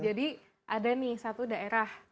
jadi ada nih satu daerah